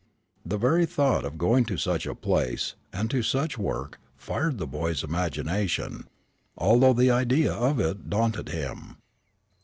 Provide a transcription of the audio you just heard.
The very thought of going to such a place, and to such work, fired the boy's imagination, although the idea of it daunted him.